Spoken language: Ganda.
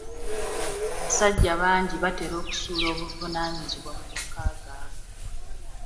Abasajja bangi batera okusuula obuvunaanyizibwa mumaka gaabwe.